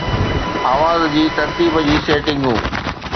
آواز جي ترتيب جي سيٽنگون